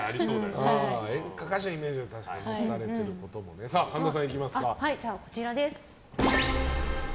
演歌歌手のイメージだったんですね。